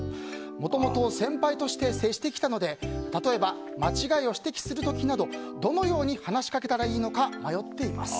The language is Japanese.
もともと先輩として接してきたので例えば間違いを指摘する時などどのように話しかけたらいいのか迷っています。